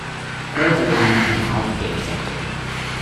Both are used in the healthcare sector.